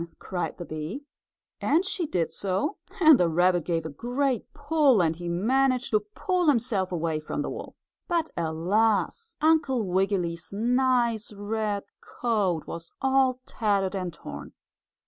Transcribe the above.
cried the bee, and she did so, and the rabbit gave a great pull, and he managed to pull himself away from the wolf. But, alas! Uncle Wiggily's nice red coat was all tattered and torn.